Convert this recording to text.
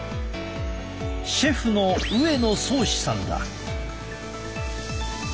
シェフの上野宗士さんだ。